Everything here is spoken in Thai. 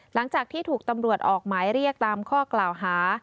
หลังจากที่ถูกตำรวจออกหมายเรียกตามข้อกล่าวหา